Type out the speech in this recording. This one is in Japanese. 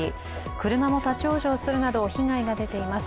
車も立往生するなど被害が出ています。